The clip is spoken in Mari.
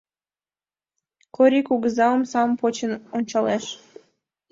Корий кугыза омсам почын ончалеш.